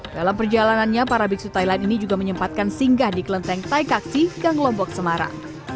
dalam perjalanannya para biksu thailand ini juga menyempatkan singgah di klenteng taikaksi ganglombok semarang